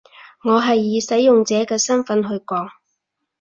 我係以使用者嘅身分去講